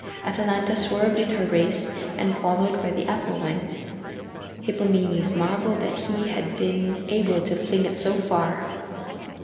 Atalanta swerved in her race and followed where the apple went. Hippomenes marvelled that he had been able to fling it so far.